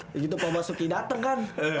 ya gitu dua ribu tiga puluh ini dateng kan